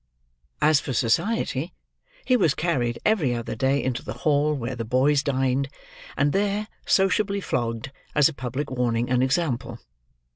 As for society, he was carried every other day into the hall where the boys dined, and there sociably flogged as a public warning and example.